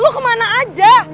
lu kemana aja